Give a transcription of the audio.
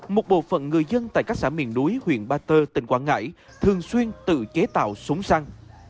một bộ phận người dân tại các xã miền núi huyện ba tơ tỉnh quảng ngãi thường xuyên tự chế tạo súng săn